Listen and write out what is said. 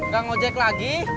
gak ngejek lagi